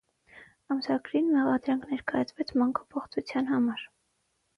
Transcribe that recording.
Ամսագրին մեղադրանք ներկայացվեց մանկապղծության համար։